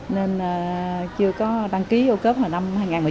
nên chưa có đăng ký âu cớp vào năm hai nghìn một mươi chín